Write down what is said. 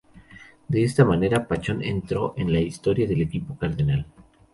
De esta manera, Pachón entró en la historia del equipo cardenal.